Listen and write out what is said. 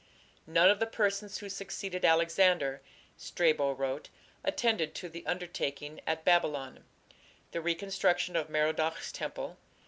"None of the persons who succeeded Alexander", Strabo wrote, "attended to the undertaking at Babylon" the reconstruction of Merodach's temple.